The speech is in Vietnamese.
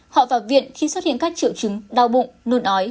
họ vào viện khi xuất hiện các triệu chứng đau bụng nôn ói